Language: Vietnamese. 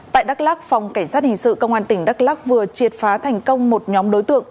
tại đắk lắc phòng cảnh sát hình sự công an tỉnh đắk lắc vừa triệt phá thành công một nhóm đối tượng